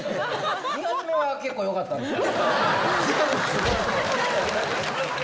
２発目は結構、よかったんですけ